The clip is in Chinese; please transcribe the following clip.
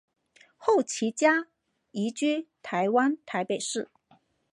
后其家移居台湾台北市。